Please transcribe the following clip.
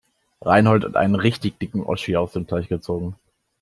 Reinhold hat einen richtig dicken Oschi aus dem Teich gezogen.